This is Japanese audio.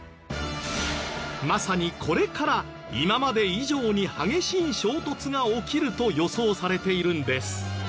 まさにこれから今まで以上に激しい衝突が起きると予想されているんです。